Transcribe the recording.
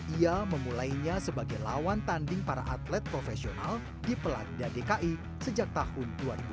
ia memulainya sebagai lawan tanding para atlet profesional di pelan dan dki sejak tahun dua ribu dua belas